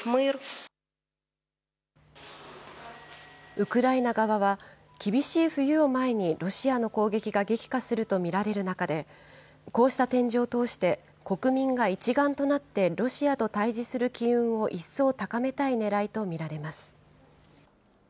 ウクライナ側は、厳しい冬を前にロシアの攻撃が激化すると見られる中で、こうした展示を通して、国民が一丸となってロシアと対じする機運を一層高めたいねらいと見られます。